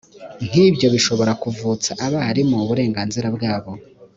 nk ibyo bishobora kuvutsa abarimu uburenganzira bwabo